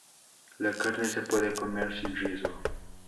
La carne se puede comer sin riesgo.